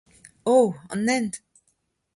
Oc'ho ! An hent !